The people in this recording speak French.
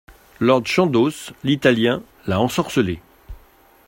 Lord Chandos L’italien l’a ensorcelée !